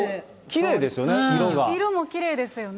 色もきれいですよね。